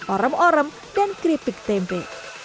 orem orem dan keripik tempe